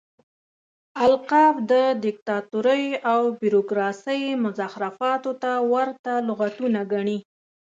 القاب د ديکتاتورۍ او بيروکراسۍ مزخرفاتو ته ورته لغتونه ګڼي.